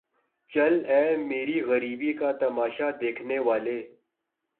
چل اے میری غریبی کا تماشا دیکھنے والے